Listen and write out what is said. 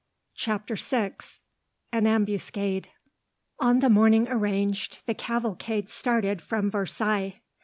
Chapter 6: An Ambuscade. On the morning arranged, the cavalcade started from Versailles.